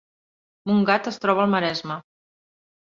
Montgat es troba al Maresme